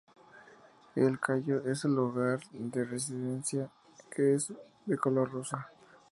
El cayo es el hogar de una residencia que es de color rosa.